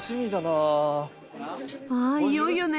あいよいよね！